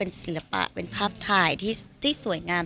อย่างนี้จะมีภาษาชนิดที่ให้เป็นโอกาส